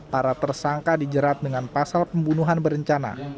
para tersangka dijerat dengan pasal pembunuhan berencana